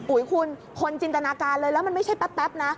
คุณคนจินตนาการเลยแล้วมันไม่ใช่แป๊บนะ